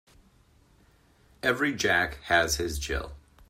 Every Jack has his Jill.